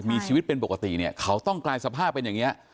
มีชีวิตเป็นปกติเนี่ยเขาต้องกลายสภาพเป็นอย่างนี้